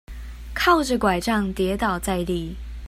靠著柺杖跌倒在地